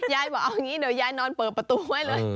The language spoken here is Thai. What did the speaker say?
ยายบอกเอาอย่างนี้เดี๋ยวยายนอนเปิดประตูไว้เลย